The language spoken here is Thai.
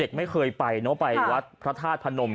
เด็กไม่เคยไปเนาะไปวัดพระธาตุพระนม